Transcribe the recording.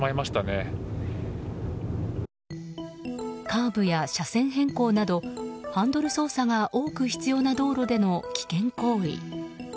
カーブや車線変更などハンドル操作が多く必要な道路での危険行為。